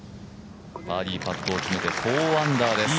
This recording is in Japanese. バーディーパットを決めて４アンダーです。